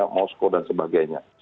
moskow dan sebagainya